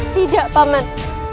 tidak pak man